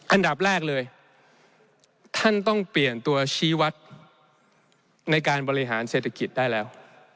อันดับแรกเลยท่านต้องเปลี่ยนตัวชี้วัดในการบริหารเศรษฐกิจได้แล้ว